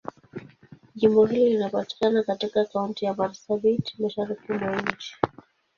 Jimbo hili linapatikana katika Kaunti ya Marsabit, Mashariki mwa nchi.